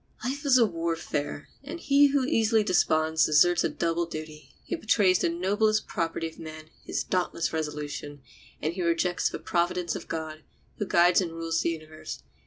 Life is a warfare, and he who easily desponds deserts a double duty—he betrays the noblest property of man, his dauntless resolution, and he rejects the providence of God, who guides and rules the universe.